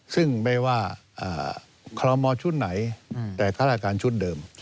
ซึ่งไม่ว่าความมอดชุดไหนแต่ฆ่าลาการชุดเดิม